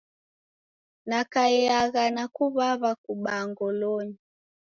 Nakaiagha na kuw'aw'a kubaa ngolonyi.